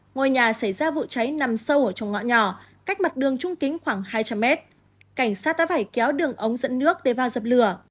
ngôi nhà xảy ra vụ cháy nằm sâu ở trong ngõ nhỏ cách mặt đường trung kính khoảng hai trăm linh mét cảnh sát đã phải kéo đường ống dẫn nước để vào dập lửa